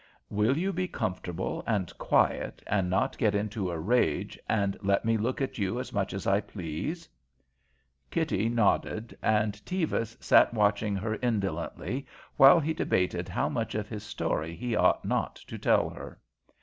"Will you be comfortable and quiet and not get into a rage, and let me look at you as much as I please?" Kitty nodded, and Tevis sat watching her indolently while he debated how much of his story he ought not to tell her.